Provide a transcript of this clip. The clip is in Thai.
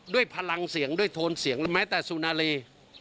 ด้วยพลังเสียงด้วยโทนเสียงหรือแม้แต่สุนารี